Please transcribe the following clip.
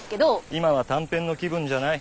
今は短編の気分じゃない。